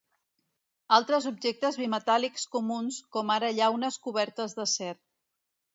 Altres objectes bimetàl·lics comuns, com ara llaunes cobertes d'acer.